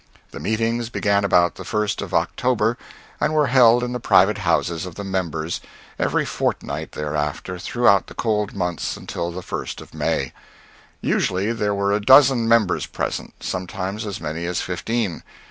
The meetings began about the 1st of October and were held in the private houses of the members every fortnight thereafter throughout the cold months until the 1st of May. Usually there were a dozen members present sometimes as many as fifteen.